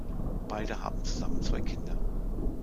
Beide haben zusammen zwei Kinder.